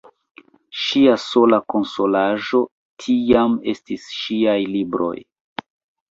Ŝia sola konsolaĵo tiam estis ŝiaj libroj.